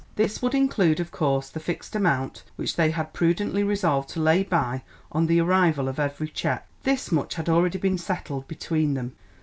This would include, of course, the fixed amount which they had prudently resolved to lay by on the arrival of every cheque. This much had already been settled between them.